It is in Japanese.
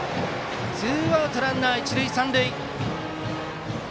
ツーアウトランナー、一塁三塁。